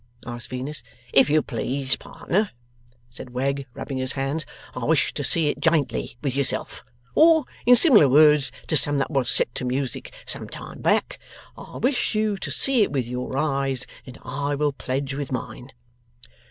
asked Venus. 'If you please, partner,' said Wegg, rubbing his hands. 'I wish to see it jintly with yourself. Or, in similar words to some that was set to music some time back: "I wish you to see it with your eyes, And I will pledge with mine."